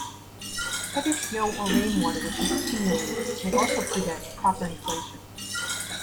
Heavy snow or rainwater which has accumulated may also prevent proper inflation.